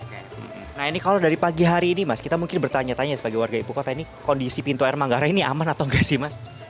nah ini kalau dari pagi hari ini mas kita mungkin bertanya tanya sebagai warga ibu kota ini kondisi pintu air manggarai ini aman atau enggak sih mas